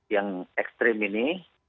yang ekstrim ini